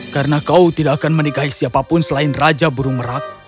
karena kau tidak akan menikahi siapapun selain raja burung merah